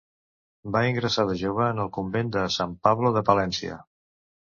Va ingressar de jove en el Convent de Sant Pablo de Palència.